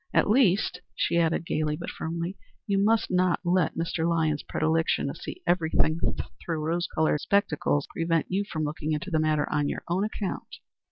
At least," she added, gayly but firmly, "you must not let Mr. Lyons's predilection to see everything through rose colored spectacles prevent you from looking into the matter on your own account."